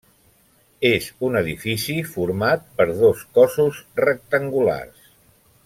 És un edifici format per dos cossos rectangulars.